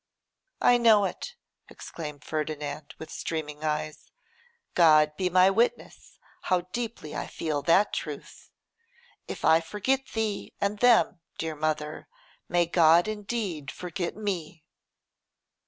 'I know it,' exclaimed Ferdinand, with streaming eyes; 'God be my witness how deeply I feel that truth. If I forget thee and them, dear mother, may God indeed forget me.